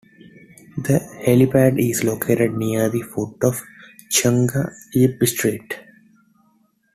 The helipad is located near the foot of Cheung Yip Street.